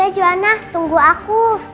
ya juwana tunggu aku